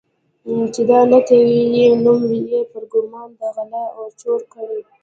چې دا نه کوي یې نومه پرې ګومان د غله او چور کړي.